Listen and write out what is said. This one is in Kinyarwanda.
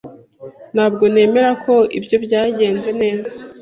Ntabwo nemera ko ibyo byagenze neza